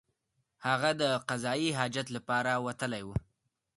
هغه د قضای حاجت لپاره وتلی وو.